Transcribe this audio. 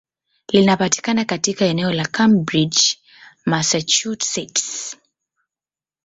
Linapatikana katika eneo la Cambridge, Massachusetts.